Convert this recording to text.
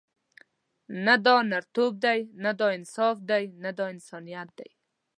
نه دا نرتوب دی، نه دا انصاف دی، نه انسانیت دی.